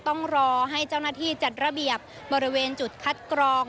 ต้องรอให้เจ้าหน้าที่จัดระเบียบบริเวณจุดคัดกรอง